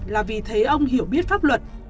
là vì thế ông hiểu biết pháp luật